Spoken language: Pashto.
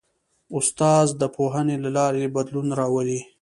استاد د پوهنې له لارې بدلون راولي.